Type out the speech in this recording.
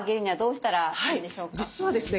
実はですね